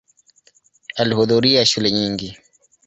Alihudhuria shule nyingi.